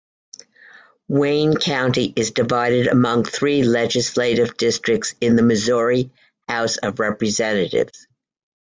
Wayne County is divided among three legislative districts in the Missouri House of Representatives.